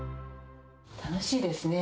楽しいですね。